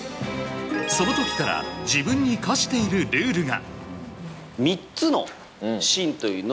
その時から自分に課しているルールが。